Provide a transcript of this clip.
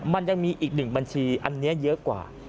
มันยังมีอีกหนึ่งบัญชีอันนี้เยอะกว่า